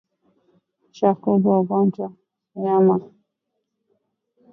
Dalili nyingine za ugonjwa ni mnyama kuwa na dalili za kichaa